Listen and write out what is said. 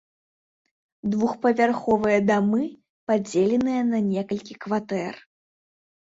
Двухпавярховыя дамы падзеленыя на некалькі кватэр.